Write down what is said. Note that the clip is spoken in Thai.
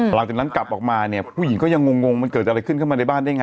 หลังจากนั้นกลับออกมาเนี่ยผู้หญิงก็ยังงงมันเกิดอะไรขึ้นเข้ามาในบ้านได้ไง